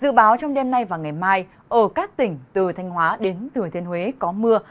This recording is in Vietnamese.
dự báo trong đêm nay và ngày mai ở các tỉnh từ thanh hóa đến thừa thiên huế có mưa